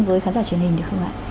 với khán giả truyền hình được không ạ